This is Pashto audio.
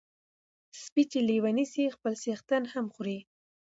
سپي چی لیوني سی خپل څښتن هم خوري .